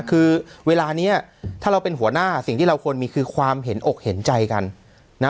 คือเวลานี้ถ้าเราเป็นหัวหน้าสิ่งที่เราควรมีคือความเห็นอกเห็นใจกันนะ